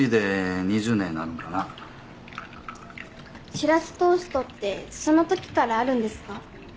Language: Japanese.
しらすトーストってそのときからあるんですか？